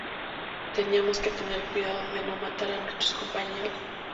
Teníamos que tener cuidado de no matar a nuestros compañeros.